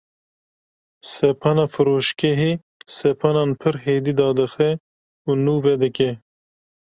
Sepana firoşgehê sepanan pir hêdî dadixe û nûve dike.